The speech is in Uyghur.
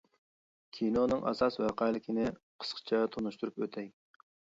كىنونىڭ ئاساسى ۋەقەلىكىنى قىسقىچە تونۇشتۇرۇپ ئۆتەي.